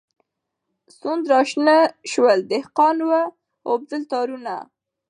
سونډ راشنه سول دهقان و اوبدل تارونه